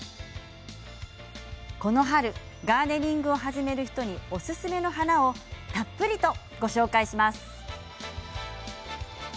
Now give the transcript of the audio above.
この春ガーデニングを始める人におすすめの花をたっぷりとご紹介します。